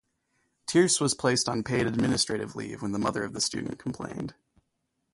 Tierce was placed on paid administrative leave when the mother of the student complained.